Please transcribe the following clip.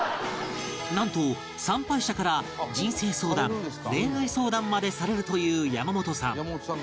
なんと参拝者から人生相談恋愛相談までされるという山本さん